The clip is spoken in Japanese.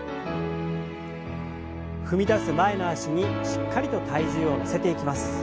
踏み出す前の脚にしっかりと体重を乗せていきます。